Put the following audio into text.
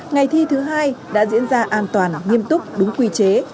ngày thi thứ hai đã diễn ra an toàn nghiêm túc đúng quy chế